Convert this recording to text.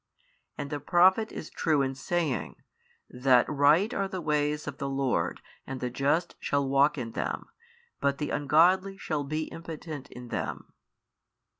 3 And the Prophet is true in saying, That right are the ways of the Lord and the just shall walk in them, but the ungodly shall be impotent in them.